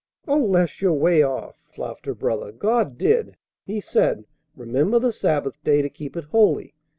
"O Les! You're way off," laughed her brother. "God did. He said, 'Remember the sabbath day to keep it holy.